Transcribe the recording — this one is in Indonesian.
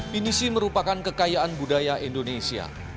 pinisi merupakan kekayaan budaya indonesia